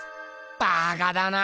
バカだな。